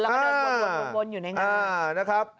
แล้วก็เดินบนอยู่ในงาน